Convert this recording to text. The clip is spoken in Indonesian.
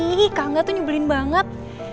kenapa sih kangga tuh nyebelin banget